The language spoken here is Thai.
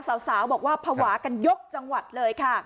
สาวบอกว่าภาวะกันยกจังหวัดเลยค่ะ